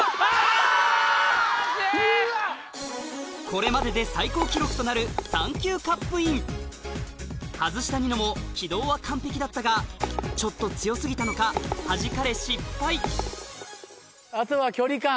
これまでで最高記録となる３球カップイン外したニノも軌道は完璧だったがちょっと強過ぎたのかはじかれ失敗あとは距離感。